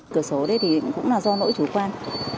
cửa sổ đấy cũng là do nỗi chủ quan